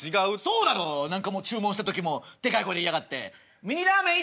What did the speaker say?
そうだろう何かもう注文した時もでかい声で言いやがって「ミニラーメン１丁！」じゃないんだよ。